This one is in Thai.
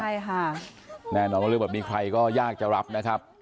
ใช่ค่ะแน่นอนว่าเรื่องแบบนี้ใครก็ยากจะรับนะครับ